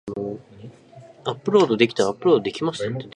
呃…你在吗，我在门口等你，你在哪里？